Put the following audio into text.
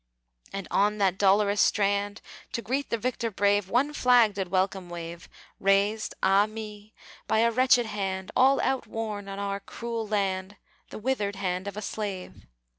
And on that dolorous strand, To greet the victor brave, One flag did welcome wave Raised, ah me! by a wretched hand, All outworn on our cruel land, The withered hand of a slave!